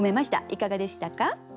いかがでしたか？